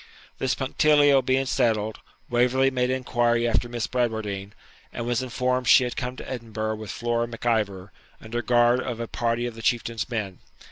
This punctilio being settled, Waverley made inquiry after Miss Bradwardine, and was informed she had come to Edinburgh with Flora Mac Ivor, under guard of a party of the Chieftain's men.